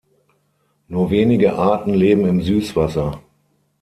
Nur wenige Arten leben im Süßwasser.